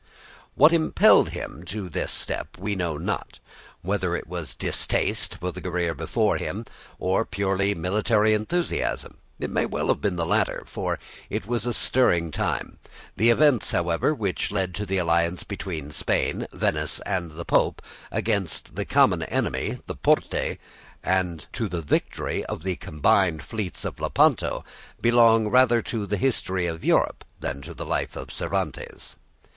What impelled him to this step we know not, whether it was distaste for the career before him, or purely military enthusiasm. It may well have been the latter, for it was a stirring time; the events, however, which led to the alliance between Spain, Venice, and the Pope, against the common enemy, the Porte, and to the victory of the combined fleets at Lepanto, belong rather to the history of Europe than to the life of Cervantes.